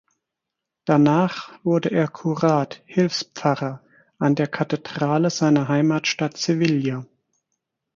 Danach wurde er Kurat (Hilfspfarrer) an der Kathedrale seiner Heimatstadt Sevilla.